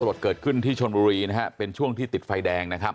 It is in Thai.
เกิดขึ้นที่ชนบุรีนะฮะเป็นช่วงที่ติดไฟแดงนะครับ